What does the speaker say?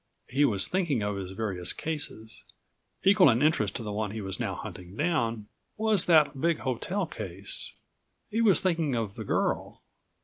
He was thinking of his various cases. Equal in interest to the one which he was now hunting down was that big hotel case. He was thinking of the girl.